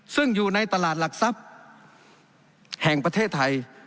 ซึ่งอยู่ในตลาดหลักทรัพย์แห่งประเทศไทย